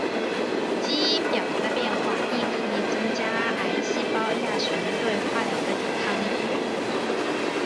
基因表达的变化亦可增强癌细胞亚群对化疗的抵抗力。